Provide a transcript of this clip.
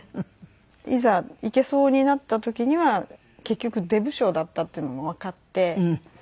いざ行けそうになった時には結局出無精だったっていうのもわかって。